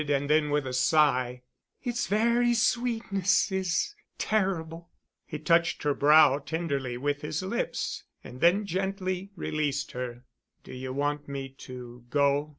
And then with a sigh, "Its very sweetness—is—terrible——" He touched her brow tenderly with his lips and then gently released her. "Do you want me to go?"